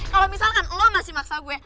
kalau misalkan lo masih maksa gue